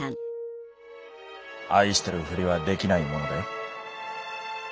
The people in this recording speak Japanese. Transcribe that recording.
「愛してるふりはできないものだよ」。